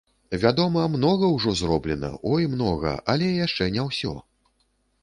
Вядома, многа ўжо зроблена, ой, многа, але яшчэ не ўсё.